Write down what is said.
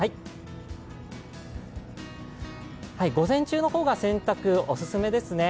午前中の方が洗濯、お勧めですね。